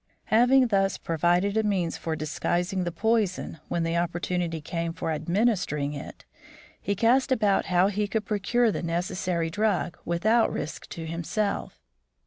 Having thus provided a means for disguising the poison when the opportunity came for administering it, he cast about how he could procure the necessary drug without risk to himself.